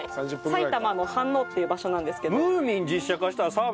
埼玉の飯能っていう場所なんですけど。